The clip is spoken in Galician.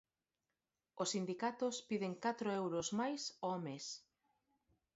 Os sindicatos piden catro euros máis ao mes.